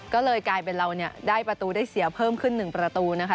ก็เลยกลายเป็นเราเนี่ยได้ประตูได้เสียเพิ่มขึ้น๑ประตูนะคะ